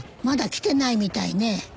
まだ来てないみたいね。